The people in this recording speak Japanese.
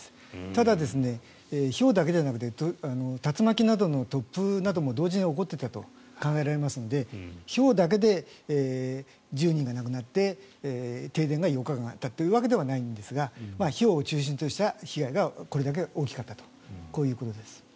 ただ、ひょうだけじゃなくて竜巻などの突風なども同時に起こっていたと考えられますのでひょうだけで１０人が亡くなって停電が４日間というわけではないんですがひょうを中心とした被害がこれだけ大きかったということです。